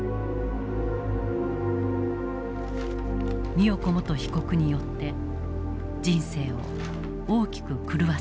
美代子元被告によって人生を大きく狂わされた。